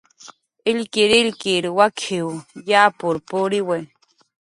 "Illkirillkir wak""iw yapur puriwi"